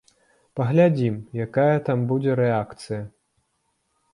Паглядзім, якая там будзе рэакцыя.